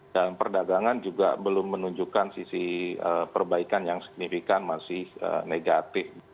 dan perdagangan juga belum menunjukkan sisi perbaikan yang signifikan masih negatif